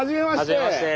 はじめまして。